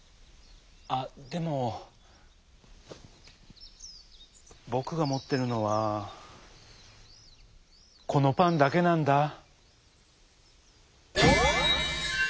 あっでもぼくがもってるのはこのパンだけなんだ」。